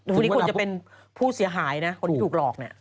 พวกนี้ควรจะเป็นผู้เสียหายนะคนที่ถูกหลอกเนี่ย